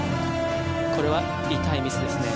これは、痛いミスですね。